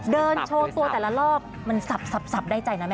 เดินโชว์ตัวแต่ละรอบมันสับได้ใจนะแม่